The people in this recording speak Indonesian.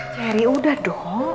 ceri udah dong